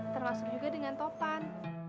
termasuk juga dengan topan